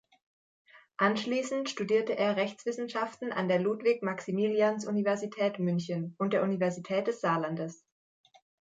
Anschließend studierte er Rechtswissenschaften an der Ludwig-Maximilians-Universität München und der Universität des Saarlandes.